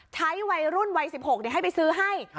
ใช้วัยรุ่นวัย๑๖ให้ไปซื้อให้